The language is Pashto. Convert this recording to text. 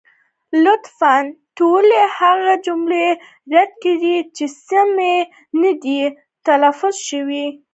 لطفا ټولې هغه جملې رد کړئ، چې سمې نه دي تلفظ شوې.